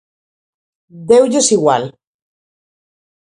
Deulles igual.